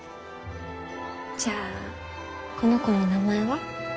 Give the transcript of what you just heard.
じゃあこの子の名前は？